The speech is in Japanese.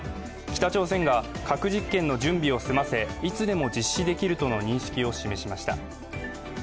北朝鮮が核実験の準備を済ませいつでも実施できるとの認識を示しました。